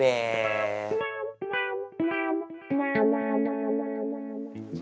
memang memang memang memang memang